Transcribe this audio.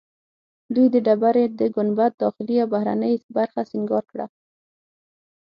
دوی د ډبرې د ګنبد داخلي او بهرنۍ برخه سنګار کړه.